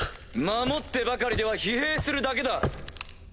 守ってばかりでは疲弊するだけだ。